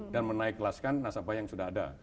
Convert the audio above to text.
dan menaik kelaskan nasabah yang sudah ada